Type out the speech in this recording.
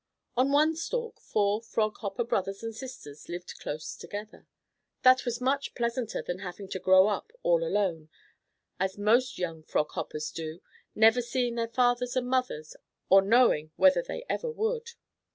On one stalk four Frog Hopper brothers and sisters lived close together. That was much pleasanter than having to grow up all alone, as most young Frog Hoppers do, never seeing their fathers and mothers or knowing whether they ever would.